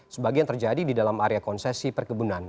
sebagian terjadi di dalam area konsesi perkebunan